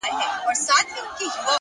اراده د ستونزو پولې ماتوي